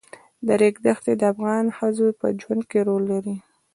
د ریګ دښتې د افغان ښځو په ژوند کې رول لري.